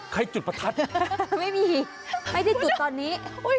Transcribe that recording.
จุดประทัดไม่มีไม่ได้จุดตอนนี้